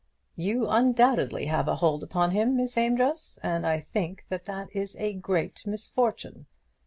"You undoubtedly have a hold upon him, Miss Amedroz, and I think that it is a great misfortune.